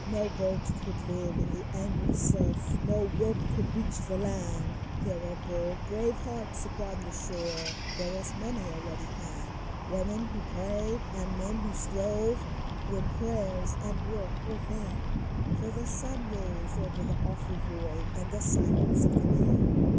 No boat could live in the angry surf, No rope could reach the land : There were bold, brave hearts upon the shore, There was many a ready hand — Women who prayed, and men who strove When prayers and work were vain ; For the sun rose over the awful void And the silence of the main.